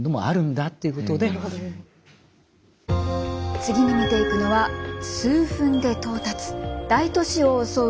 次に見ていくのは「数分で到達」「大都市を襲う」